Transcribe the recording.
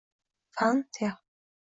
Fan-Tex